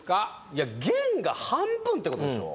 いや弦が半分ってことでしょ？